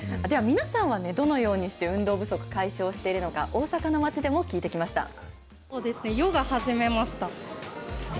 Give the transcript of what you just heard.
では、皆さんはどのようにして運動不足、解消しているのか、大阪の街でも聞いてきました。